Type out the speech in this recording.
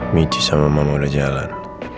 michi sama mama udah jalan